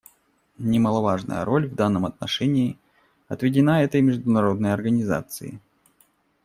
Немаловажная роль в данном отношении отведена этой международной организации.